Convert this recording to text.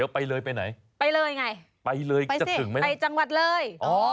ไปเลยไหมไปเลย